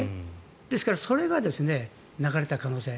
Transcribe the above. ですから、それが流れた可能性。